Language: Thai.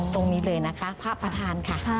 ตรงนี้เลยนะคะพระประธานค่ะ